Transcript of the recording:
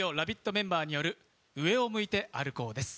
メンバーによる「上を向いて歩こう」です。